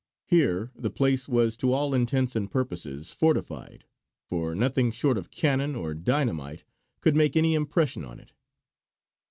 Here, the place was to all intents and purposes fortified, for nothing short of cannon or dynamite could make any impression on it.